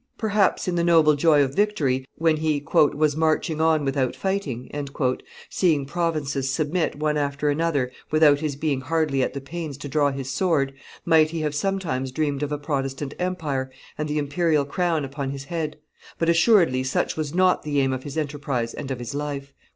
Perhaps, in the noble joy of victory, when he "was marching on without fighting," seeing provinces submit, one after another, without his being hardly at the pains to draw his sword, might he have sometimes dreamed of a Protestant empire and the imperial crown upon his head; but, assuredly, such was not the aim of his enterprise and of his life.